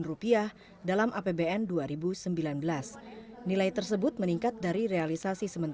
selain momen overpaying para pencarian sudah biasa juga menanggung kekuasaan mereka